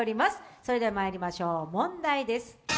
それではまいりましょう、問題です